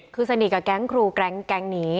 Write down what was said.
คือสนิทกับแก๊งครูแก๊งนี้